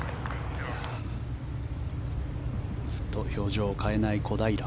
ずっと表情を変えない小平。